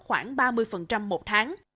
khoảng ba mươi một tháng